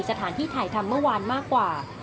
สถานที่ถ่ายทำเมื่อวานมากกว่า